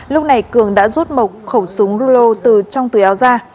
lúc này cường đã rút mộc khẩu súng rulo từ trong túi áo ra